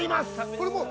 これ、もう？